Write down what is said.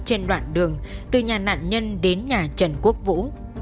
trên đoạn đường từ nhà nạn nhân đến nhà trần quốc vũ